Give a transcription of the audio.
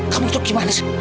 kamu itu gimana sih